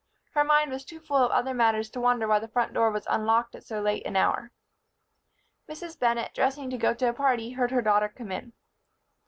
Her mind was too full of other matters to wonder why the front door was unlocked at so late an hour. Mrs. Bennett, dressing to go to a party, heard her daughter come in.